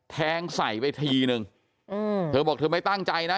แทงใส่ไปทีนึงอืมเธอบอกเธอไม่ตั้งใจนะ